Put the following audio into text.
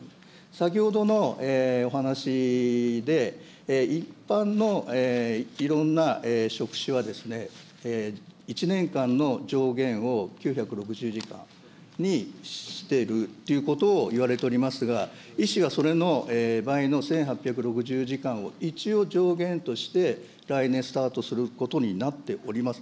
先ほどのお話で、一般のいろんな職種は１年間の上限を９６０時間にしてるということをいわれておりますが、医師はそれの倍の１８６０時間を一応上限として、来年スタートすることになっております。